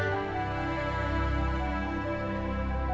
sebelumnya bumdes mengembangkan bumdes